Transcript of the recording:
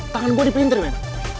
tangan gue dipinter men